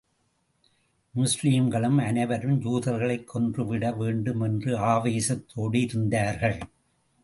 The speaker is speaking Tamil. முஸ்லிம்கள் அனைவரும், யூதர்களைக் கொன்று விட வேண்டும் என்ற ஆவேசத்தோடு இருந்தார்கள்.